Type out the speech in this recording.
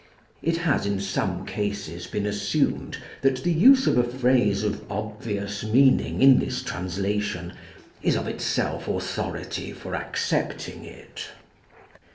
It has, in some cases, been assumed that the use of a phrase of obvious meaning in this translation is of itself authority for accepting it.